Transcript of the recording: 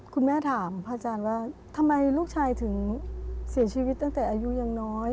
คุณแม่ถามพระอาจารย์ว่าทำไมลูกชายถึงเสียชีวิตตั้งแต่อายุยังน้อย